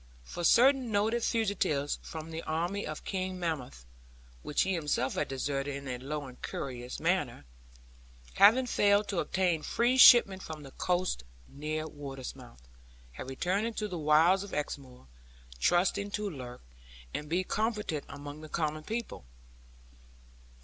For certain noted fugitives from the army of King Monmouth (which he himself had deserted, in a low and currish manner), having failed to obtain free shipment from the coast near Watersmouth, had returned into the wilds of Exmoor, trusting to lurk, and be comforted among the common people.